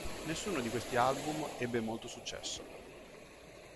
Nessuno di questi album ebbe molto successo.